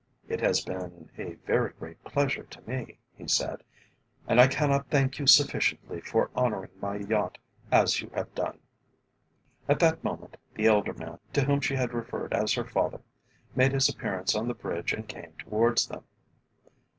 "It has been a very great pleasure to me," he said, "and I cannot thank you sufficiently for honouring my yacht as you have done." At that moment the elder man, to whom she had referred as her father, made his appearance on the bridge and came towards them.